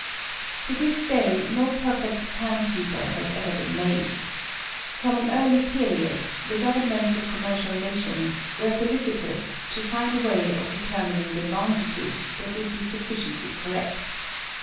To this day, no perfect time keeper has ever been made. From an early period, the governments of commercial nations were solicitous to find a way of determining the longitude that would be sufficiently correct.